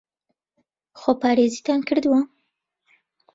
خۆپارێزیتان کردووە؟